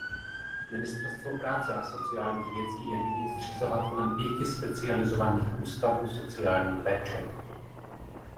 Ministerstvo práce a sociálních věcí je nyní zřizovatelem pěti specializovaných ústavů sociální péče.